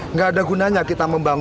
nggak ada gunanya kita membangun